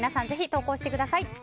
ぜひ投稿してください。